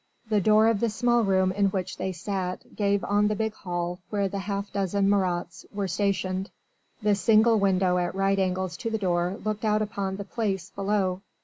The door of the small room in which they sat gave on the big hall where the half dozen Marats were stationed, the single window at right angles to the door looked out upon the Place below.